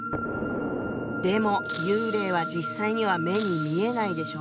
でも幽霊は実際には目に見えないでしょ？